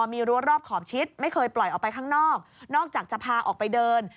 มีรั้วรอบขอบชิดไม่เคยปล่อยออกไปข้างนอกนอกจากจะพาออกไปเดิน